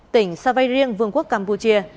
tỉnh sao vây riêng vương quốc campuchia